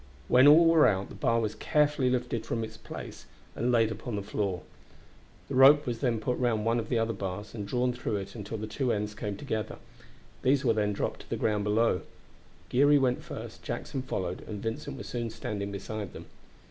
When all were out the bar was carefully lifted from its place and laid upon the floor. The rope was then put round one of the other bars and drawn through it until the two ends came together. These were then dropped to the ground below. Geary went first, Jackson followed, and Vincent was soon standing beside them.